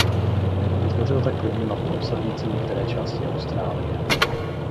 Vytvořil tak první mapu obsahující některé části Austrálie.